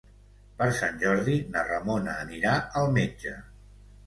Per Sant Jordi na Ramona anirà al metge.